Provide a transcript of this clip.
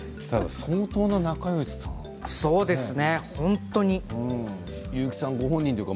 相当な仲よしさんですね。